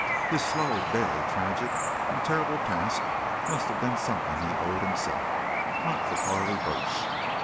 His slow, daily, tragic, and terrible task must have been something he owed himself. Not for Carley Burch!